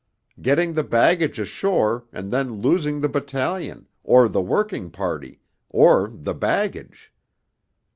getting the baggage ashore, and then losing the battalion, or the working party, or the baggage.